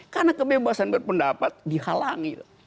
karena kebebasan berpendapat dihalangi